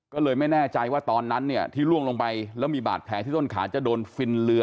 ก็เลยไม่แน่ใจว่าตอนนั้นเนี่ยที่ล่วงลงไปแล้วมีบาดแผลที่ต้นขาจะโดนฟินเรือ